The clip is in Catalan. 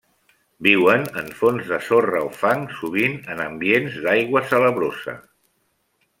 Viuen en fons de sorra o fang, sovint en ambients d'aigua salabrosa.